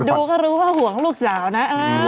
ดูก็รู้ว่าห่วงลูกสาวนะ